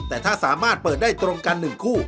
แต่ถ้าสามารถเปิดได้ตรงกัน๑คู่